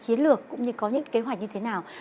chiến lược cũng như có những kế hoạch như thế nào